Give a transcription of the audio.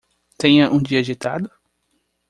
Tenha um dia agitado?